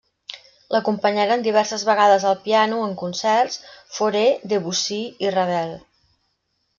L'acompanyaren diverses vegades al piano, en concerts, Fauré, Debussy i Ravel.